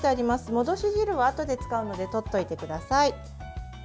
戻し汁は、あとで使うのでとっておいてください。